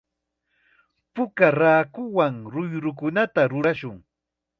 Puka raakuwan ruyrukunata rurashun.